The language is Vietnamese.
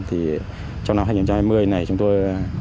trong năm hai nghìn hai mươi này chúng tôi